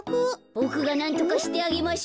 ボクがなんとかしてあげましょう。